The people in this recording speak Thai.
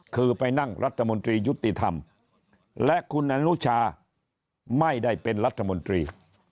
คือไปนั่งรัฐมนตรียุติธรรมและคุณอนุชาไม่ได้เป็นรัฐมนตรี